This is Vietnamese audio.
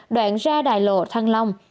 đoạn ra đài lộ thăng long